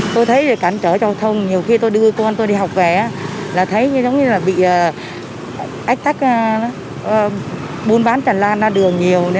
tôi thấy cản trở giao thông nhiều khi tôi đưa con tôi đi học về là thấy giống như là bị ách tắc buôn bán tràn lan ra đường nhiều